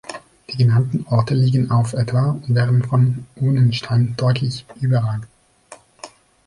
Die genannten Orte liegen auf etwa und werden vom Wunnenstein deutlich überragt.